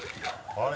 あれ？